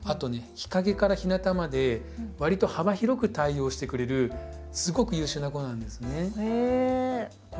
日陰から日なたまでわりと幅広く対応してくれるすごく優秀な子なんですね。